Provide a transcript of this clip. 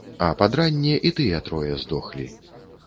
А пад ранне і тыя трое здохлі.